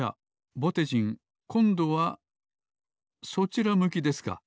ぼてじんこんどはそちら向きですか。